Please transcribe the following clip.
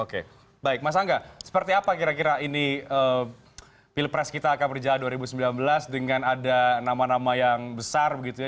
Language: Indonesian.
oke baik mas angga seperti apa kira kira ini pilpres kita akan berjalan dua ribu sembilan belas dengan ada nama nama yang besar begitu ya